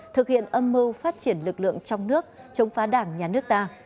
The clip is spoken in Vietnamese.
thực hiện âm mưu phát triển lực lượng trong nước chống phá đảng nhà nước ta